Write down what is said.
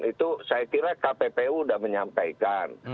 itu saya kira kppu sudah menyampaikan